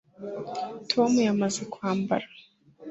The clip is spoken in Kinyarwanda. tom yamaze kwambara